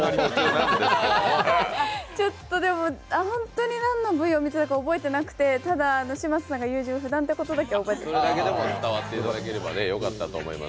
本当に何のＶを見ていたのか覚えてなくてただ、嶋佐さんが優柔不断男ということだけ覚えています。